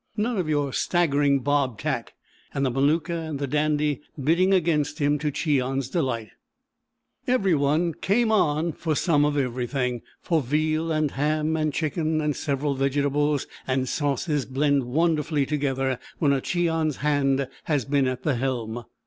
None of your staggering Bob tack"; and the Maluka and the Dandy bidding against him, to Cheon's delight, every one "came on" for some of everything; for veal and ham and chicken and several vegetables and sauces blend wonderfully together when a Cheon's hand has been at the helm.